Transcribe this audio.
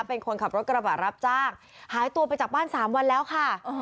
เป็นคนขับรถกระบะรับจ้างหายตัวไปจากบ้าน๓วันแล้วค่ะ